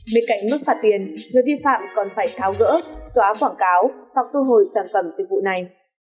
bên cạnh mức phạt tiền người vi phạm cũng phải khao gỡ xóa quảng cáo hoặc tu hồi sản phẩm dịch vụ này